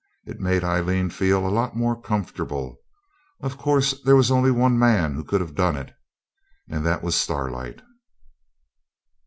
It made Aileen feel a lot more comfortable. Of course there was only one man who could have done it; and that was Starlight.